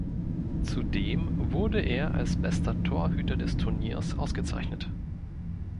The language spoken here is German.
Zudem wurde er als bester Torhüter des Turniers ausgezeichnet.